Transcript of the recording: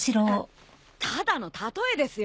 ただの例えですよ。